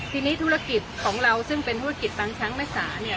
ทีนี้ธุรกิจของเราซึ่งเป็นธุรกิจบางช้างแม่สาเนี่ย